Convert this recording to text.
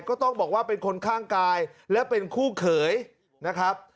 ก็ต้องบอกว่าเป็นคนข้างกายและเป็นคู่เขยนะครับ